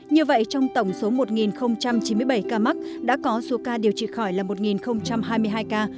như vậy trong tổng số một chín mươi bảy ca mắc đã có số ca điều trị khỏi là một hai mươi hai ca